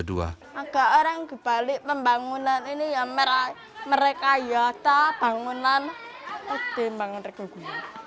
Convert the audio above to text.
ada orang yang kembali pembangunan ini yang mereka yata bangunan sdn bangun rejo dua